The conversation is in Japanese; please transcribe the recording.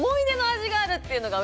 があるっていうのが。